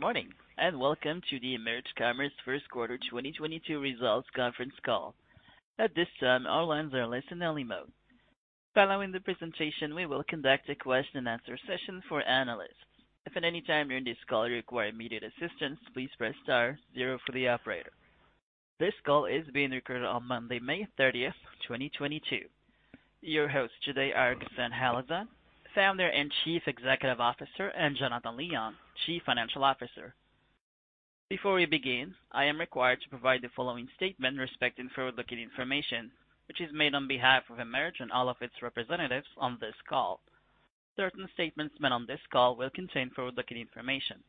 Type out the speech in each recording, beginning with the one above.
Good morning, and welcome to the EMERGE Commerce first quarter 2022 results conference call. At this time, all lines are in listen-only mode. Following the presentation, we will conduct a question-and-answer session for analysts. If at any time during this call you require immediate assistance, please press star zero for the operator. This call is being recorded on Monday, May 30th, 2022. Your hosts today are Ghassan Halazon, Founder and Chief Executive Officer, and Jonathan Leong, Chief Financial Officer. Before we begin, I am required to provide the following statement respecting forward-looking information, which is made on behalf of EMERGE and all of its representatives on this call. Certain statements made on this call will contain forward-looking information.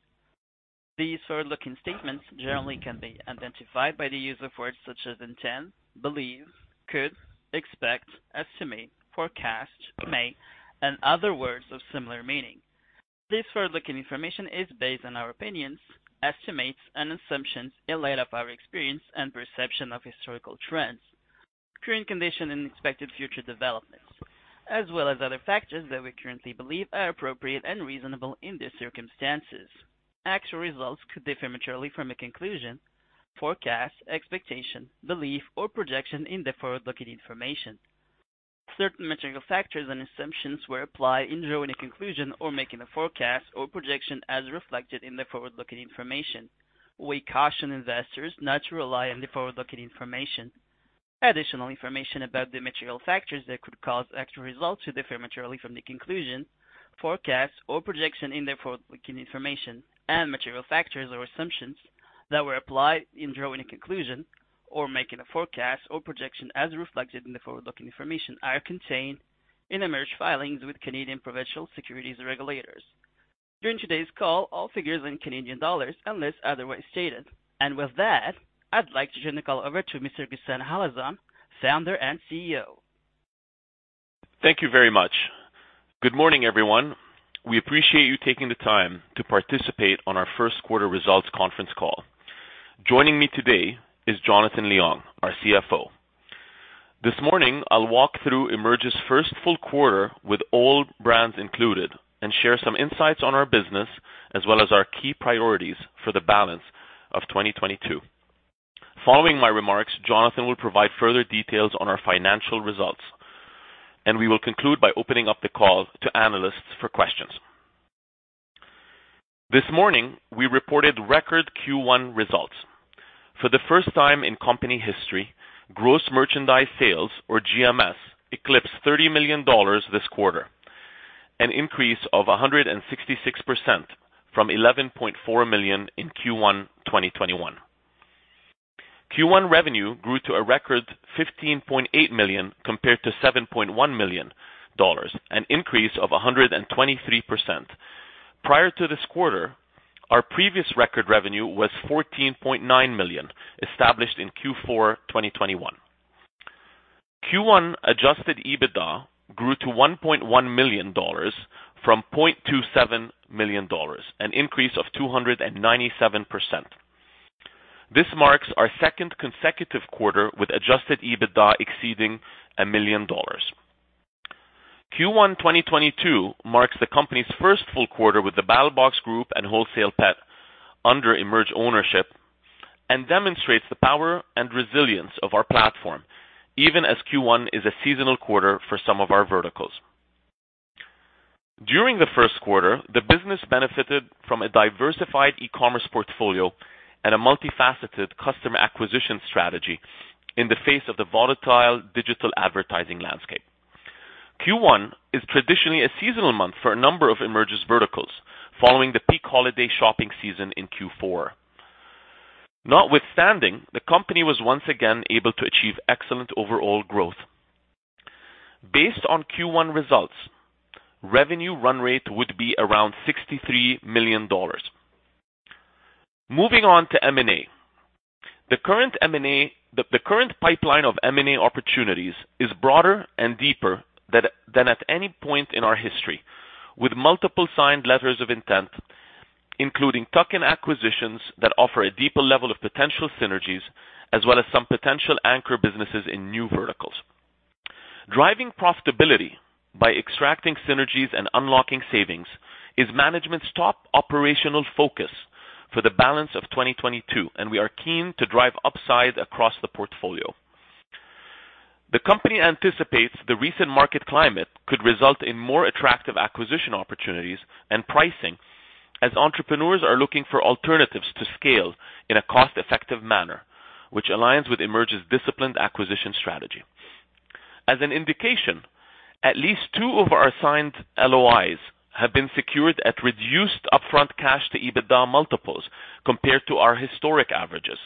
These forward-looking statements generally can be identified by the use of words such as intend, believe, could, expect, estimate, forecast, may, and other words of similar meaning. This forward-looking information is based on our opinions, estimates and assumptions in light of our experience and perception of historical trends, current conditions and expected future developments, as well as other factors that we currently believe are appropriate and reasonable in these circumstances. Actual results could differ materially from a conclusion, forecast, expectation, belief, or projection in the forward-looking information. Certain material factors and assumptions were applied in drawing a conclusion or making a forecast or projection as reflected in the forward-looking information. We caution investors not to rely on the forward-looking information. Additional information about the material factors that could cause actual results to differ materially from the conclusion, forecast or projection in the forward-looking information and material factors or assumptions that were applied in drawing a conclusion or making a forecast or projection as reflected in the forward-looking information are contained in EMERGE filings with Canadian provincial securities regulators. During today's call, all figures in Canadian dollars, unless otherwise stated. With that, I'd like to turn the call over to Mr. Ghassan Halazon, Founder and CEO. Thank you very much. Good morning, everyone. We appreciate you taking the time to participate on our first quarter results conference call. Joining me today is Jonathan Leong, our CFO. This morning, I'll walk through EMERGE's first full quarter with all brands included and share some insights on our business as well as our key priorities for the balance of 2022. Following my remarks, Jonathan will provide further details on our financial results, and we will conclude by opening up the call to analysts for questions. This morning, we reported record Q1 results. For the first time in company history, gross merchandise sales, or GMS, eclipsed CAD 30 million this quarter, an increase of 166% from 11.4 million in Q1 2021. Q1 revenue grew to a record 15.8 million compared to 7.1 million dollars, an increase of 123%. Prior to this quarter, our previous record revenue was CAD 14.9 million, established in Q4 2021. Q1 adjusted EBITDA grew to 1.1 million dollars from 0.27 million dollars, an increase of 297%. This marks our second consecutive quarter with adjusted EBITDA exceeding 1 million dollars. Q1 2022 marks the company's first full quarter with the BattlBox Group and WholesalePet under EMERGE ownership and demonstrates the power and resilience of our platform, even as Q1 is a seasonal quarter for some of our verticals. During the first quarter, the business benefited from a diversified e-commerce portfolio and a multifaceted customer acquisition strategy in the face of the volatile digital advertising landscape. Q1 is traditionally a seasonal month for a number of EMERGE's verticals following the peak holiday shopping season in Q4. Notwithstanding, the company was once again able to achieve excellent overall growth. Based on Q1 results, revenue run rate would be around 63 million dollars. Moving on to M&A. The current pipeline of M&A opportunities is broader and deeper than at any point in our history, with multiple signed letters of intent, including tuck-in acquisitions that offer a deeper level of potential synergies as well as some potential anchor businesses in new verticals. Driving profitability by extracting synergies and unlocking savings is management's top operational focus for the balance of 2022, and we are keen to drive upside across the portfolio. The company anticipates the recent market climate could result in more attractive acquisition opportunities and pricing as entrepreneurs are looking for alternatives to scale in a cost-effective manner, which aligns with EMERGE's disciplined acquisition strategy. As an indication, at least two of our signed LOIs have been secured at reduced upfront cash to EBITDA multiples compared to our historic averages.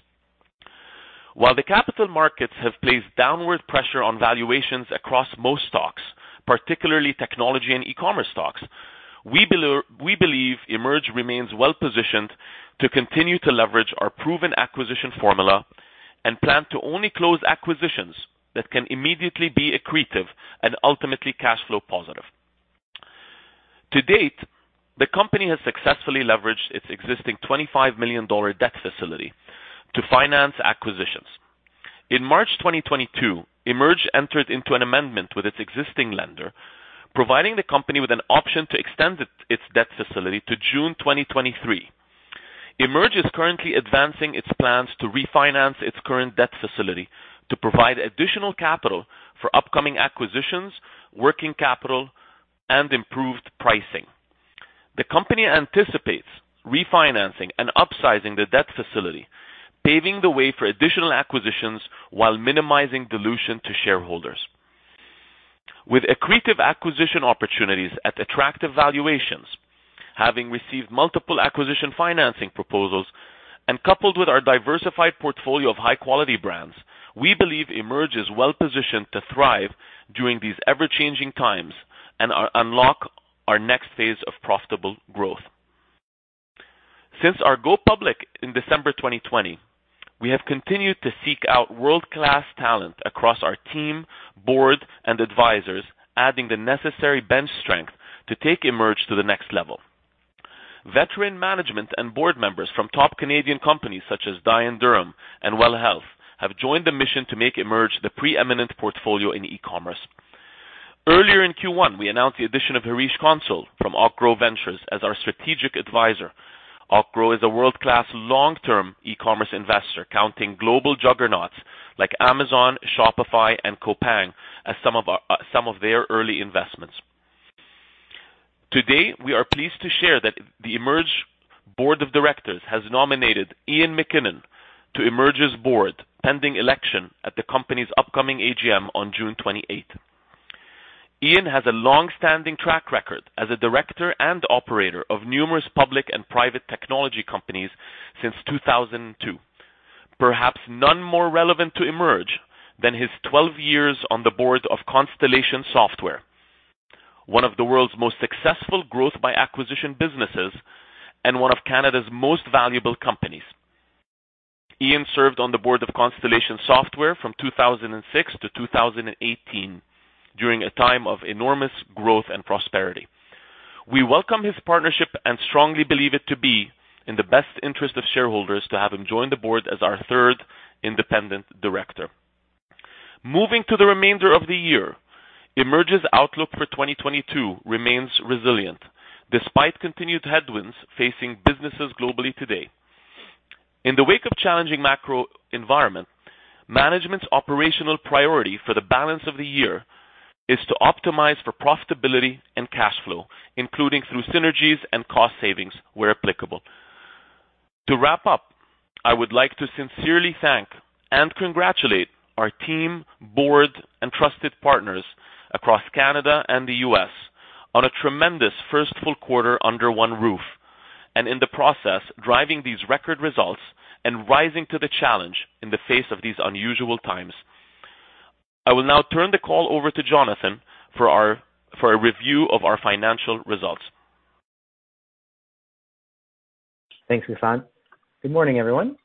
While the capital markets have placed downward pressure on valuations across most stocks, particularly technology and e-commerce stocks, we believe EMERGE remains well-positioned to continue to leverage our proven acquisition formula and plan to only close acquisitions that can immediately be accretive and ultimately cash flow positive. To date, the company has successfully leveraged its existing 25 million dollar debt facility to finance acquisitions. In March 2022, EMERGE entered into an amendment with its existing lender, providing the company with an option to extend its debt facility to June 2023. EMERGE is currently advancing its plans to refinance its current debt facility to provide additional capital for upcoming acquisitions, working capital, and improved pricing. The company anticipates refinancing and upsizing the debt facility, paving the way for additional acquisitions while minimizing dilution to shareholders. With accretive acquisition opportunities at attractive valuations, having received multiple acquisition financing proposals and coupled with our diversified portfolio of high quality brands, we believe EMERGE is well-positioned to thrive during these ever-changing times and unlock our next phase of profitable growth. Since our go public in December 2020, we have continued to seek out world-class talent across our team, board, and advisors, adding the necessary bench strength to take EMERGE to the next level. Veteran management and board members from top Canadian companies such as Dye & Durham and WELL Health have joined the mission to make EMERGE the preeminent portfolio in e-commerce. Earlier in Q1, we announced the addition of Harish Consul from Ocgrow Ventures as our strategic advisor. Ocgrow is a world-class long-term e-commerce investor, counting global juggernauts like Amazon, Shopify and Coupang as some of their early investments. Today, we are pleased to share that the EMERGE board of directors has nominated Ian McKinnon to EMERGE's board, pending election at the company's upcoming AGM on June 28th. Ian has a long-standing track record as a director and operator of numerous public and private technology companies since 2002. Perhaps none more relevant to EMERGE than his 12 years on the board of Constellation Software, one of the world's most successful growth by acquisition businesses and one of Canada's most valuable companies. Ian served on the board of Constellation Software from 2006 to 2018 during a time of enormous growth and prosperity. We welcome his partnership and strongly believe it to be in the best interest of shareholders to have him join the board as our third independent director. Moving to the remainder of the year, EMERGE's outlook for 2022 remains resilient despite continued headwinds facing businesses globally today. In the wake of challenging macro environment, management's operational priority for the balance of the year is to optimize for profitability and cash flow, including through synergies and cost savings where applicable. To wrap up, I would like to sincerely thank and congratulate our team, board and trusted partners across Canada and the U.S. on a tremendous first full quarter under one roof, and in the process, driving these record results and rising to the challenge in the face of these unusual times. I will now turn the call over to Jonathan for a review of our financial results. Thanks, Ghassan. Good morning, everyone.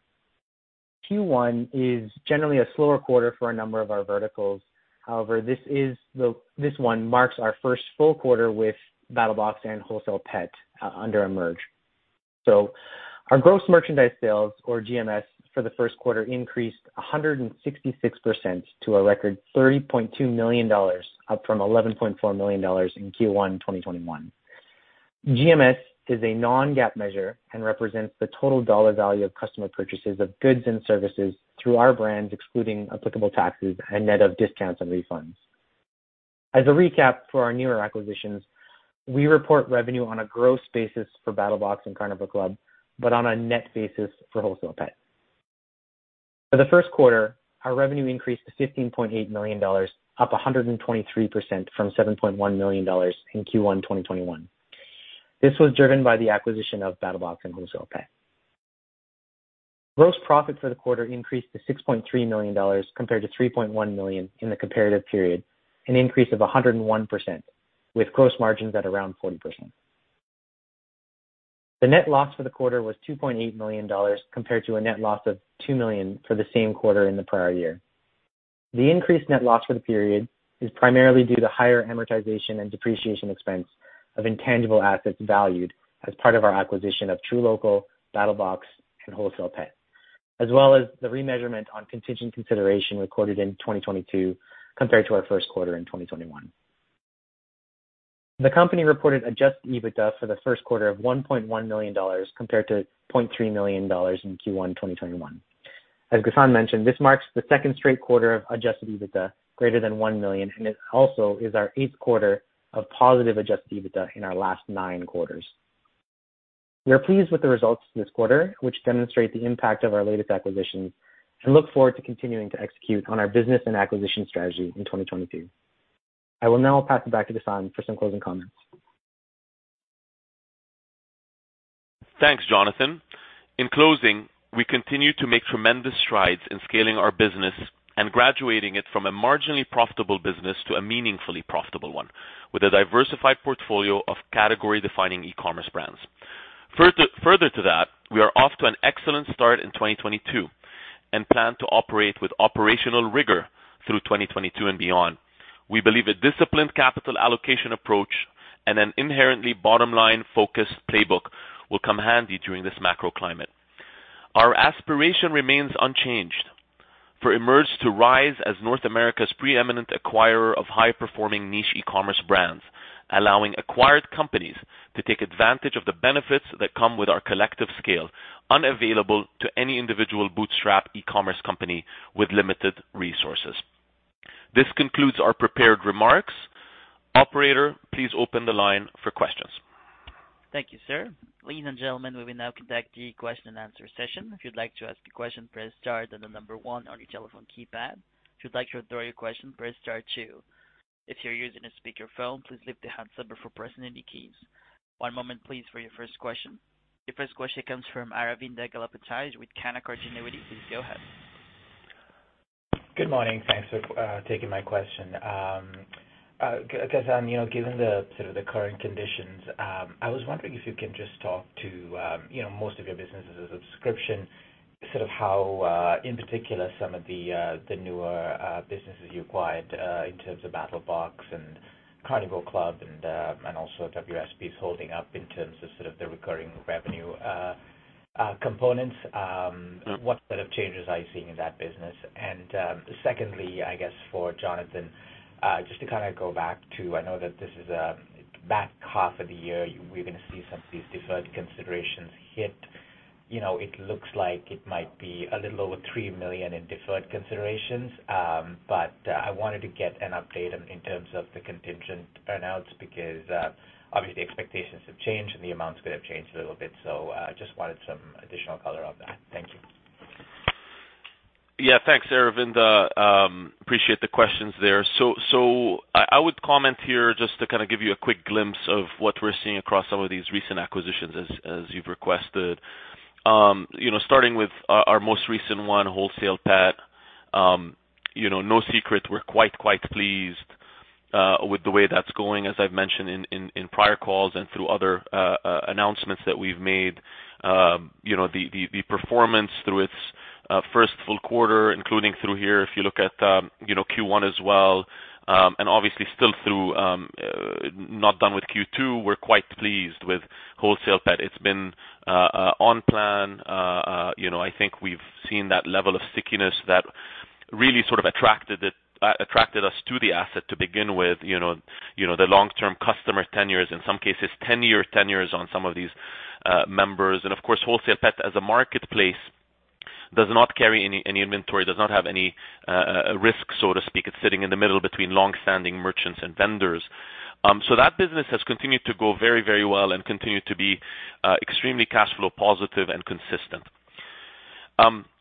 Q1 is generally a slower quarter for a number of our verticals. However, this one marks our first full quarter with BattlBox and WholesalePet under EMERGE. Our gross merchandise sales, or GMS, for the first quarter increased 166% to a record 30.2 million dollars, up from 11.4 million dollars in Q1 2021. GMS is a non-GAAP measure and represents the total dollar value of customer purchases of goods and services through our brands, excluding applicable taxes and net of discounts and refunds. As a recap for our newer acquisitions, we report revenue on a gross basis for BattlBox and Carnivore Club, but on a net basis for WholesalePet. For the first quarter, our revenue increased to 15.8 million dollars, up 123% from 7.1 million dollars in Q1 2021. This was driven by the acquisition of BattlBox and WholesalePet. Gross profit for the quarter increased to 6.3 million dollars compared to 3.1 million in the comparative period, an increase of 101% with gross margins at around 40%. The net loss for the quarter was 2.8 million dollars, compared to a net loss of 2 million for the same quarter in the prior year. The increased net loss for the period is primarily due to higher amortization and depreciation expense of intangible assets valued as part of our acquisition of truLOCAL, BattlBox and WholesalePet, as well as the remeasurement on contingent consideration recorded in 2022 compared to our first quarter in 2021. The company reported adjusted EBITDA for the first quarter of 1.1 million dollars compared to 0.3 million dollars in Q1 2021. As Ghassan mentioned, this marks the second straight quarter of adjusted EBITDA greater than 1 million, and it also is our eighth quarter of positive adjusted EBITDA in our last nine quarters. We are pleased with the results this quarter, which demonstrate the impact of our latest acquisitions, and look forward to continuing to execute on our business and acquisition strategy in 2022. I will now pass it back to Ghassan for some closing comments. Thanks, Jonathan. In closing, we continue to make tremendous strides in scaling our business and graduating it from a marginally profitable business to a meaningfully profitable one, with a diversified portfolio of category-defining e-commerce brands. Further to that, we are off to an excellent start in 2022, and plan to operate with operational rigor through 2022 and beyond. We believe a disciplined capital allocation approach and an inherently bottom-line focused playbook will come handy during this macro climate. Our aspiration remains unchanged for EMERGE to rise as North America's preeminent acquirer of high-performing niche e-commerce brands, allowing acquired companies to take advantage of the benefits that come with our collective scale, unavailable to any individual bootstrap e-commerce company with limited resources. This concludes our prepared remarks. Operator, please open the line for questions. Thank you, sir. Ladies and gentlemen, we will now conduct the question and answer session. If you'd like to ask a question, press star, then the number one on your telephone keypad. If you'd like to withdraw your question, press star two. If you're using a speakerphone, please lift the handset before pressing any keys. One moment please for your first question. Your first question comes from Aravinda Galappatthige with Canaccord Genuity. Please go ahead. Good morning. Thanks for taking my question. Ghassan, you know, given the sort of the current conditions, I was wondering if you can just talk to, you know, most of your business is a subscription sort of how, in particular some of the the newer, businesses you acquired, in terms of BattlBox and Carnivore Club and also Wholesale Pet is holding up in terms of sort of the recurring revenue, components. What sort of changes are you seeing in that business? Secondly, I guess, for Jonathan, just to kinda go back to I know that this is, back half of the year, we're gonna see some of these deferred considerations hit. You know, it looks like it might be a little over 3 million in deferred considerations. I wanted to get an update in terms of the contingent earn-outs because obviously expectations have changed and the amounts could have changed a little bit. Just wanted some additional color on that. Thank you. Yeah. Thanks, Aravinda. Appreciate the questions there. I would comment here just to kinda give you a quick glimpse of what we're seeing across some of these recent acquisitions as you've requested. You know, starting with our most recent one, Wholesale Pet, you know, no secret we're quite pleased with the way that's going, as I've mentioned in prior calls and through other announcements that we've made. You know, the performance through its first full quarter, including through here, if you look at, you know, Q1 as well, and obviously still through not done with Q2, we're quite pleased with Wholesale Pet. It's been on plan. You know, I think we've seen that level of stickiness that really sort of attracted us to the asset to begin with, the long-term customer tenures, in some cases ten-year tenures on some of these members. Of course, Wholesale Pet as a marketplace does not carry any inventory, does not have any risk, so to speak. It's sitting in the middle between longstanding merchants and vendors.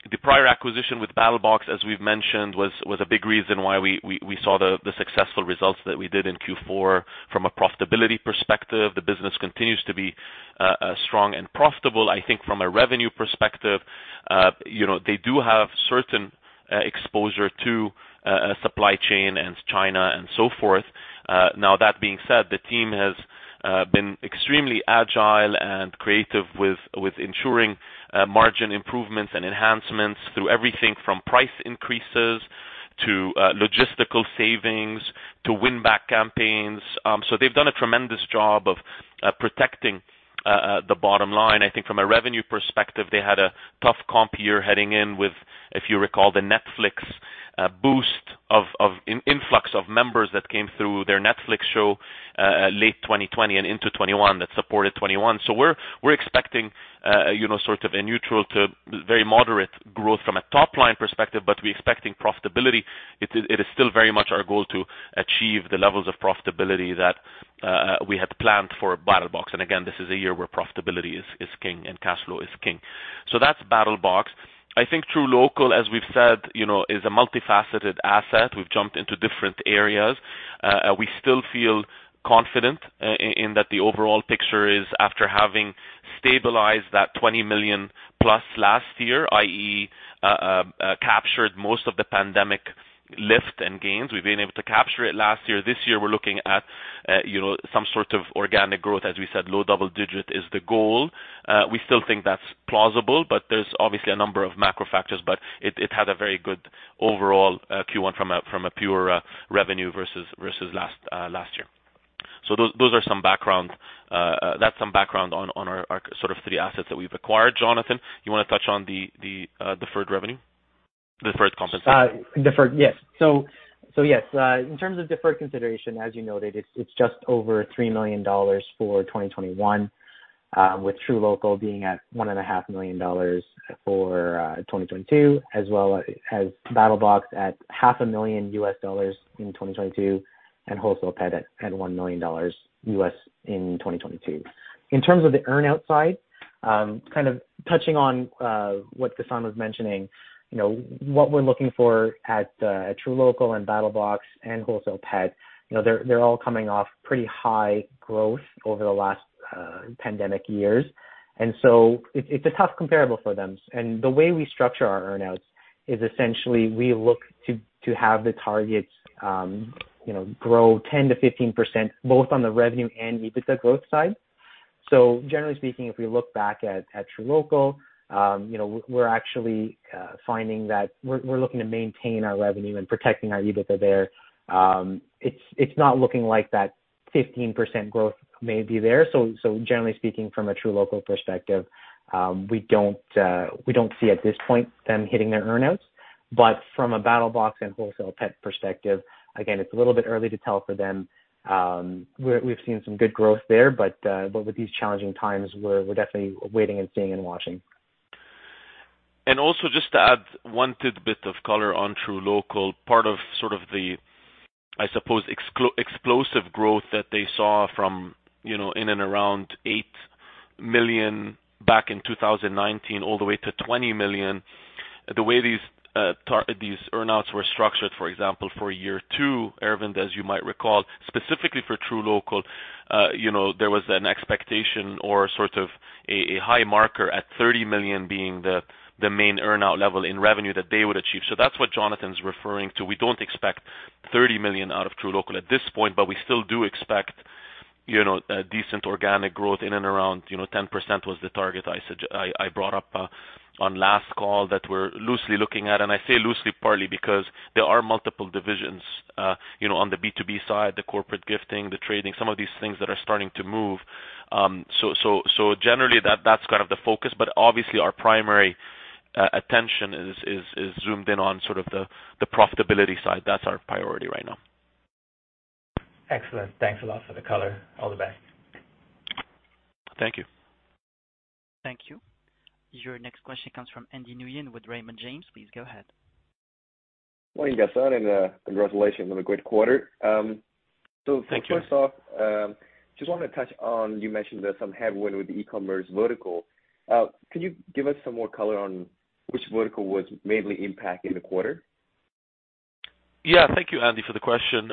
The prior acquisition with BattlBox, as we've mentioned, was a big reason why we saw the successful results that we did in Q4. From a profitability perspective, the business continues to be strong and profitable. I think from a revenue perspective, you know, they do have certain exposure to supply chain and China and so forth. Now that being said, the team has been extremely agile and creative with ensuring margin improvements and enhancements through everything from price increases to logistical savings to win-back campaigns. They've done a tremendous job of protecting the bottom line. I think from a revenue perspective, they had a tough comp year heading in with, if you recall, the Netflix boost of an influx of members that came through their Netflix show, late 2020 and into 2021. That supported 2021. We're expecting, you know, sort of a neutral to very moderate growth from a top-line perspective, but we're expecting profitability. It is still very much our goal to achieve the levels of profitability that we had planned for BattlBox. Again, this is a year where profitability is king and cash flow is king. That's BattlBox. I think truLOCAL, as we've said, you know, is a multifaceted asset. We've jumped into different areas. We still feel confident in that the overall picture is after having stabilized that 20 million plus last year, i.e., captured most of the pandemic lift and gains. We've been able to capture it last year. This year we're looking at, you know, some sort of organic growth. As we said, low double-digit is the goal. We still think that's plausible, but there's obviously a number of macro factors. It had a very good overall Q1 from a pure revenue versus last year. Those are some background. That's some background on our sort of three assets that we've acquired. Jonathan, you wanna touch on the deferred compensation? Deferred. Yes. In terms of deferred consideration, as you noted, it's just over 3 million dollars for 2021, with truLOCAL being at 1.5 million dollars for 2022, as well as BattlBox at half a million U.S. dollars in 2022, and WholesalePet at $1 million in 2022. In terms of the earn-out side, kind of touching on what Ghassan was mentioning, you know, what we're looking for at truLOCAL and BattlBox and WholesalePet, you know, they're all coming off pretty high growth over the last pandemic years. It's a tough comparable for them. The way we structure our earn-outs is essentially we look to have the targets you know grow 10%-15% both on the revenue and EBITDA growth side. Generally speaking, if we look back at truLOCAL, you know, we're actually finding that we're looking to maintain our revenue and protecting our EBITDA there. It's not looking like that 15% growth may be there. Generally speaking, from a truLOCAL perspective, we don't see at this point them hitting their earn-outs. But from a BattlBox and WholesalePet perspective, again, it's a little bit early to tell for them. We've seen some good growth there, but with these challenging times, we're definitely waiting and seeing and watching. Just to add one tidbit of color on truLOCAL, part of sort of the, I suppose, explosive growth that they saw from, you know, in and around 8 million back in 2019 all the way to 20 million. The way these earn-outs were structured, for example, for year two, Arvind, as you might recall, specifically for truLOCAL, you know, there was an expectation or sort of a high marker at 30 million being the main earn-out level in revenue that they would achieve. That's what Jonathan's referring to. We don't expect 30 million out of truLOCAL at this point, but we still do expect, you know, a decent organic growth in and around, you know, 10% was the target I brought up on last call that we're loosely looking at. I say loosely partly because there are multiple divisions, you know, on the B2B side, the corporate gifting, the trading, some of these things that are starting to move. Generally that's kind of the focus. Obviously our primary attention is zoomed in on sort of the profitability side. That's our priority right now. Excellent. Thanks a lot for the color. All the best. Thank you. Thank you. Your next question comes from Andy Nguyen with Raymond James. Please go ahead. Morning, Ghassan, and congratulations on a great quarter. Thank you. First off, just wanted to touch on, you mentioned there's some headwind with the e-commerce vertical. Can you give us some more color on which vertical was mainly impacted in the quarter? Yeah. Thank you, Andy, for the question.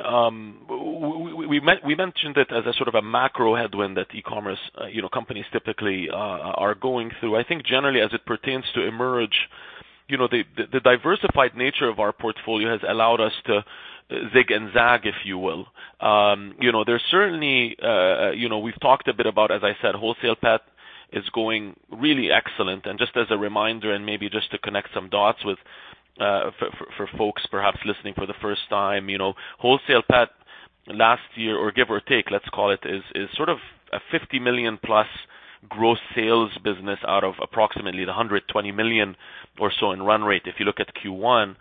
We mentioned it as a sort of a macro headwind that e-commerce, you know, companies typically are going through. I think generally as it pertains to EMERGE, you know, the diversified nature of our portfolio has allowed us to zig and zag, if you will. You know, there's certainly, you know, we've talked a bit about, as I said, Wholesale Pet is going really excellent. Just as a reminder, and maybe just to connect some dots with, for folks perhaps listening for the first time, you know, Wholesale Pet last year, or give or take, let's call it, is sort of a 50 million+ gross sales business out of approximately the 120 million or so in run rate if you look at Q1.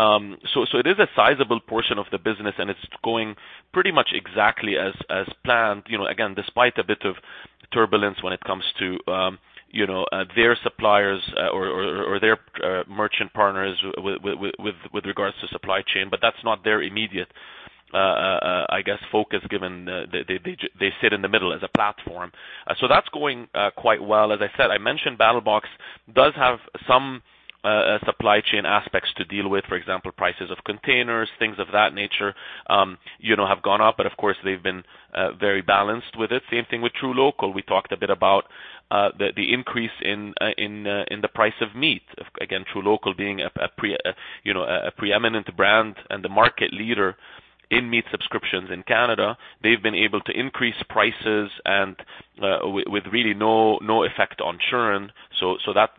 It is a sizable portion of the business, and it's going pretty much exactly as planned. You know, again, despite a bit of turbulence when it comes to their suppliers or their merchant partners with regards to supply chain, but that's not their immediate, I guess, focus given they sit in the middle as a platform. That's going quite well. As I said, I mentioned BattlBox does have some supply chain aspects to deal with. For example, prices of containers, things of that nature, you know, have gone up, but of course, they've been very balanced with it. Same thing with truLOCAL. We talked a bit about the increase in the price of meat. Again, truLOCAL being, you know, a preeminent brand and the market leader in meat subscriptions in Canada, they've been able to increase prices and with really no effect on churn.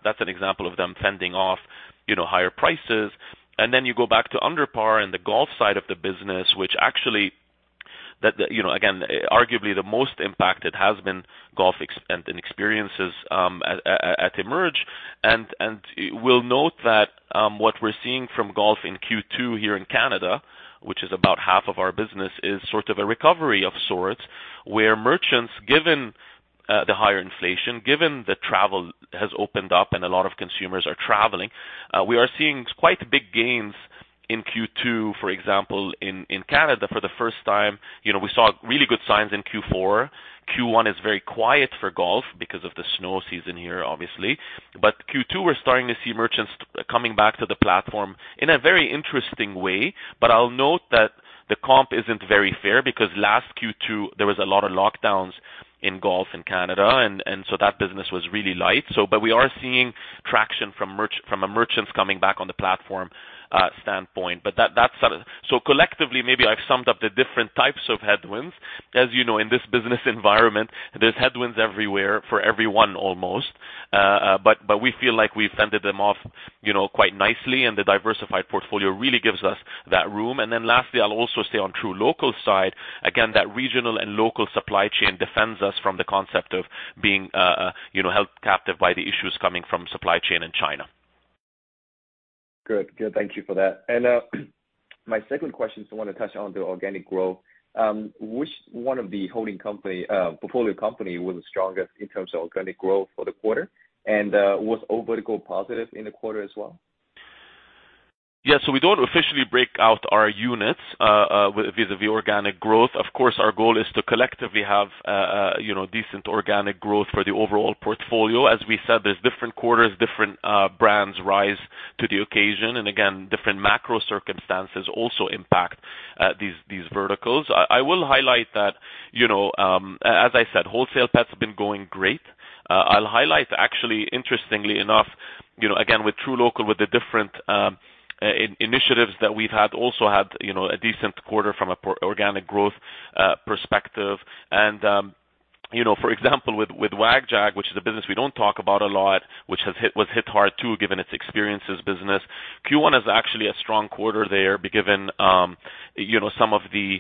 That's an example of them fending off, you know, higher prices. Then you go back to UnderPar and the golf side of the business, which actually, you know, again, arguably the most impacted has been golf experiences at EMERGE. We'll note that what we're seeing from golf in Q2 here in Canada, which is about half of our business, is sort of a recovery of sorts, where merchants, given the higher inflation, given that travel has opened up and a lot of consumers are traveling, we are seeing quite big gains in Q2, for example, in Canada for the first time. You know, we saw really good signs in Q4. Q1 is very quiet for golf because of the snow season here, obviously. Q2, we're starting to see merchants coming back to the platform in a very interesting way. I'll note that the comp isn't very fair because last Q2, there was a lot of lockdowns in golf in Canada, and so that business was really light. We are seeing traction from merchants coming back on the platform standpoint. That's sort of. Collectively, maybe I've summed up the different types of headwinds. As you know, in this business environment, there's headwinds everywhere for everyone almost. But we feel like we've fended them off, you know, quite nicely, and the diversified portfolio really gives us that room. Lastly, I'll also say on truLOCAL side, again, that regional and local supply chain defends us from the concept of being, you know, held captive by the issues coming from supply chain in China. Good. Good. Thank you for that. My second question is I wanna touch on the organic growth. Which one of the holding company's portfolio companies was the strongest in terms of organic growth for the quarter? Were all verticals positive in the quarter as well? Yeah. We don't officially break out our units vis-à-vis organic growth. Of course, our goal is to collectively have, you know, decent organic growth for the overall portfolio. As we said, there's different quarters, different brands rise to the occasion. Again, different macro circumstances also impact these verticals. I will highlight that, you know, as I said, Wholesale Pet's been going great. I'll highlight actually, interestingly enough. You know, again, with truLOCAL, with the different initiatives that we've had, you know, a decent quarter from an organic growth perspective. You know, for example, with WagJag, which is a business we don't talk about a lot, which was hit hard too, given its experiences business. Q1 is actually a strong quarter, given, you know, some of the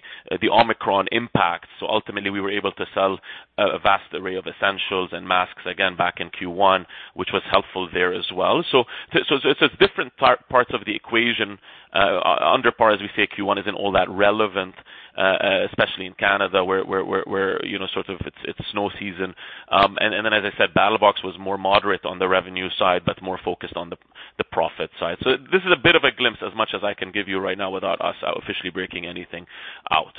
Omicron impact. Ultimately, we were able to sell a vast array of essentials and masks again back in Q1, which was helpful there as well. It's different parts of the equation, UnderPar, as we say. Q1 isn't all that relevant, especially in Canada, where you know, sort of it's snow season. Then, as I said, BattlBox was more moderate on the revenue side, but more focused on the profit side. This is a bit of a glimpse as much as I can give you right now without us officially breaking anything out.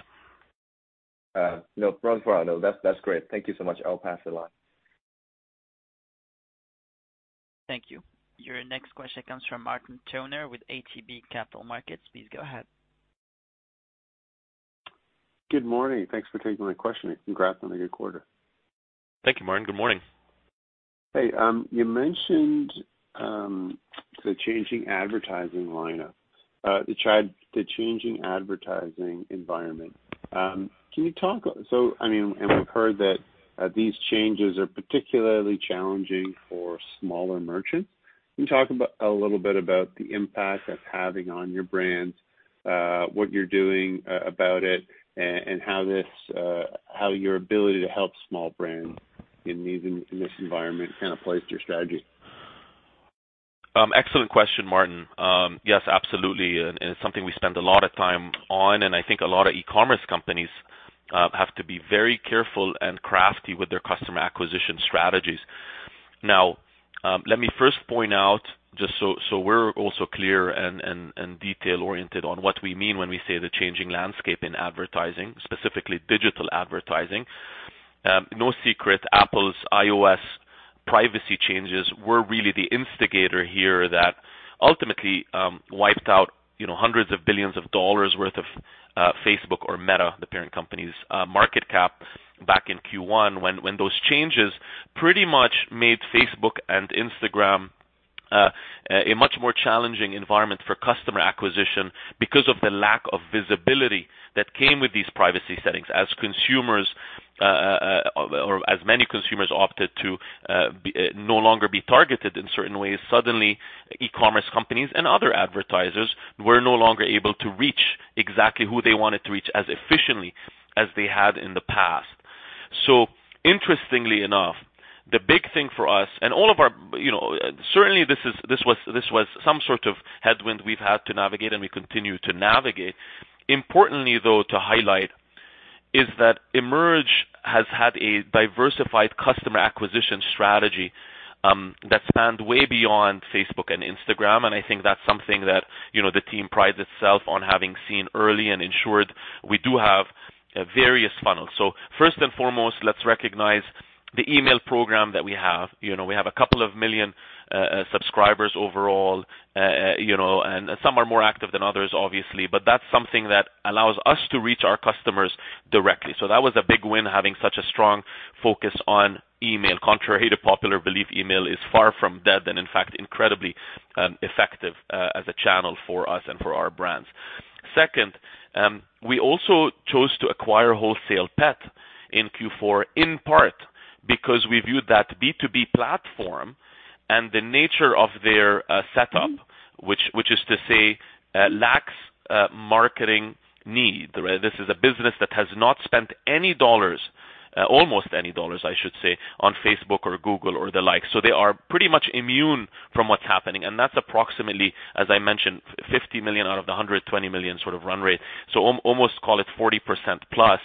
No, that's great. Thank you so much. I'll pass it along. Thank you. Your next question comes from Martin Toner with ATB Capital Markets. Please go ahead. Good morning. Thanks for taking my question. Congrats on a good quarter. Thank you, Martin. Good morning. Hey, you mentioned the changing advertising lineup. The changing advertising environment. I mean, we've heard that these changes are particularly challenging for smaller merchants. Can you talk about a little bit about the impact that's having on your brands, what you're doing about it, and how your ability to help small brands in this environment kinda plays to your strategy? Excellent question, Martin. Yes, absolutely. It's something we spend a lot of time on, and I think a lot of e-commerce companies have to be very careful and crafty with their customer acquisition strategies. Now, let me first point out just so we're also clear and detail-oriented on what we mean when we say the changing landscape in advertising, specifically digital advertising. No secret, Apple's iOS privacy changes were really the instigator here that ultimately wiped out, you know, hundreds of billions of dollars worth of Facebook or Meta, the parent company's market cap back in Q1 when those changes pretty much made Facebook and Instagram a much more challenging environment for customer acquisition because of the lack of visibility that came with these privacy settings. As consumers, or as many consumers opted to be no longer targeted in certain ways, suddenly, e-commerce companies and other advertisers were no longer able to reach exactly who they wanted to reach as efficiently as they had in the past. Interestingly enough, the big thing for us and all of our, you know, certainly this was some sort of headwind we've had to navigate, and we continue to navigate. Importantly, though, to highlight is that EMERGE has had a diversified customer acquisition strategy, that spanned way beyond Facebook and Instagram, and I think that's something that, you know, the team prides itself on having seen early and ensured we do have various funnels. First and foremost, let's recognize the email program that we have. You know, we have a couple of million subscribers overall, you know, and some are more active than others, obviously. That's something that allows us to reach our customers directly. That was a big win, having such a strong focus on email. Contrary to popular belief, email is far from dead, and in fact, incredibly effective as a channel for us and for our brands. Second, we also chose to acquire Wholesale Pet in Q4, in part because we viewed that B2B platform and the nature of their setup, which is to say, lacks marketing need. Right? This is a business that has not spent any dollars, almost any dollars, I should say, on Facebook or Google or the like. They are pretty much immune from what's happening. That's approximately, as I mentioned, 50 million out of the 120 million sort of run rate. Almost call it 40%+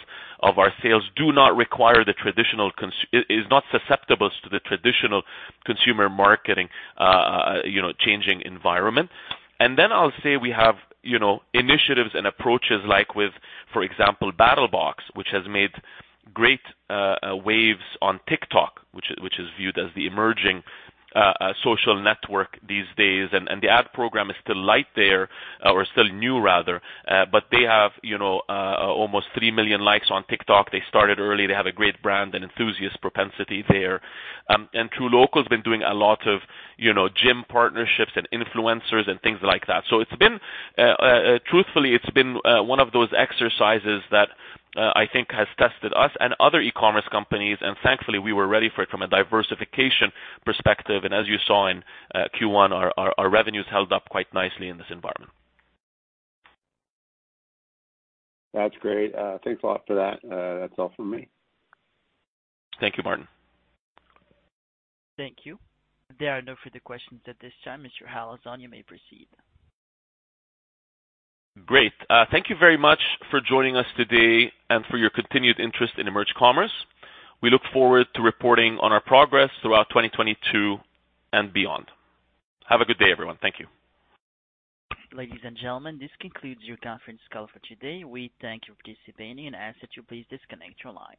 of our sales do not require the traditional consumer marketing, is not susceptible to the traditional consumer marketing, you know, changing environment. I'll say we have you know initiatives and approaches like with, for example, BattlBox, which has made great waves on TikTok, which is viewed as the emerging social network these days. The ad program is still light there, or still new rather, but they have you know almost 3 million likes on TikTok. They started early. They have a great brand and enthusiast propensity there. truLOCAL's been doing a lot of you know gym partnerships and influencers and things like that. It's been truthfully one of those exercises that I think has tested us and other e-commerce companies, and thankfully, we were ready for it from a diversification perspective. As you saw in Q1, our revenues held up quite nicely in this environment. That's great. Thanks a lot for that. That's all from me. Thank you, Martin. Thank you. There are no further questions at this time. Mr. Halazon, you may proceed. Great. Thank you very much for joining us today and for your continued interest in EMERGE Commerce. We look forward to reporting on our progress throughout 2022 and beyond. Have a good day, everyone. Thank you. Ladies and gentlemen, this concludes your conference call for today. We thank you for participating and ask that you please disconnect your line.